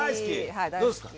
どうですか？